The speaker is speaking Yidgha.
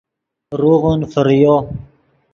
روغون فریو